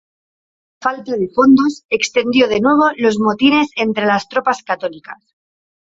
La falta de fondos extendió de nuevo los motines entre las tropas católicas.